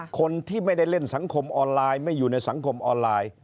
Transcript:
คนที่ไม่ได้เล่นสังคมออนไลน์ไม่อยู่ในสังคมออนไลน์